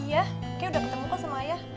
iya kayaknya udah ketemu kok sama ayah